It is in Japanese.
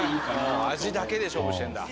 味だけで勝負してんだ。